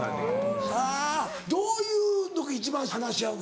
あぁどういう時一番話し合うの？